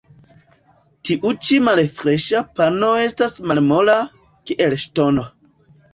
Tiu ĉi malfreŝa pano estas malmola, kiel ŝtono.